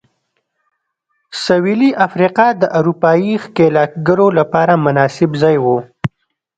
سوېلي افریقا د اروپايي ښکېلاکګرو لپاره مناسب ځای و.